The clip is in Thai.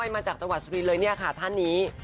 มาจากตรวจสุรินทร์เลยเนี่ยค่ะท่านนี้